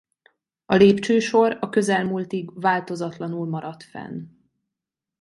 A lépcsősor a közelmúltig változatlanul maradt fenn.